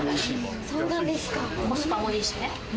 コスパもいいしね。